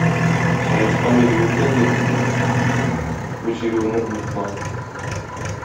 Саескан йөрүе белән йөреп, үз йөрүеңне онытма!